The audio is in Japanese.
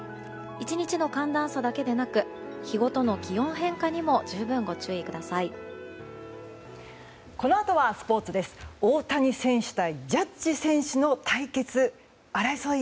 １日の寒暖差だけでなく日ごとの気温変化にも十分、ご注意ください。